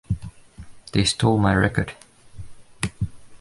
They stole my record.